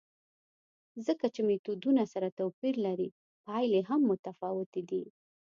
ځکه چې میتودونه سره توپیر لري، پایلې هم متفاوتې دي.